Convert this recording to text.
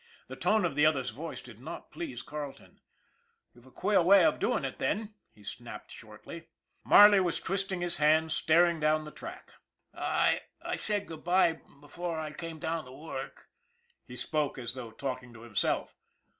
The tone of the other's voice did not please Carle ton. ' You've a queer way of doing it then," he snapped shortly. Marley was twisting his hands, staring down the track. 228 ON THE IRON AT BIG CLOUD " I said good by before I came down to work/' he spoke as though talking to himself.